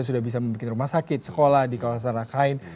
sudah bisa membuat rumah sakit sekolah di kawasan rakhine